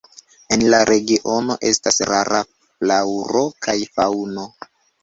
En la regiono estas rara flaŭro kaj faŭno.